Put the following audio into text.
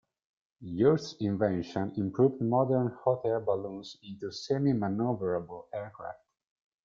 Yost's invention improved modern hot-air balloons into semi-maneuverable aircraft.